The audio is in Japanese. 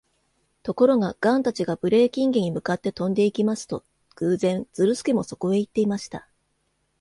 ところが、ガンたちがブレーキンゲに向かって飛んでいきますと、偶然、ズルスケもそこへいっていました。